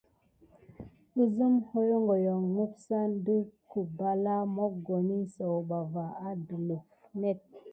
Əzeme hogohokio misapay ɗe kubelā mokoni sawuba va adelif net.